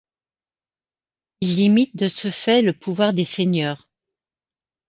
Il limite de ce fait le pouvoir des seigneurs.